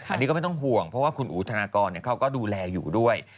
อันนี้ก็ไม่ต้องห่วงเพราะว่าคุณอู๋ธนากรเขาก็ดูแลอยู่ด้วย